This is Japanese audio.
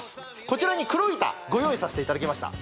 こちらに黒い板ご用意させていただきました